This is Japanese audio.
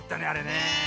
ねえ。